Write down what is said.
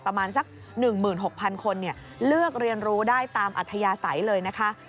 ประมาณสัก๑๖๐๐๐คนเลือกเรียนรู้ได้ตามอัธยาศัยเลยนะคะ